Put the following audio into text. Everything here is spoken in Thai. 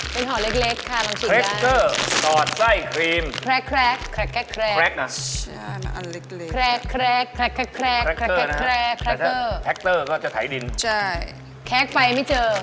เป็นห่อเล็กค่ะตรงของใส่ครีมแครกแครกแคสไปไม่เจอ